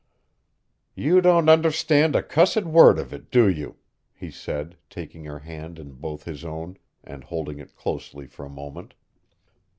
"You don't understand a cussed word of it, do you?" he said, taking her hand in both his own and holding it closely for a moment.